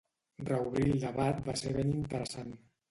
Reobrir el debat va ser ben interessant